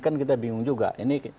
kan kita bingung juga ini